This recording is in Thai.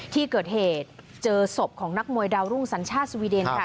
ที่เกิดเหตุเจอศพของนักมวยดาวรุ่งสัญชาติสวีเดนค่ะ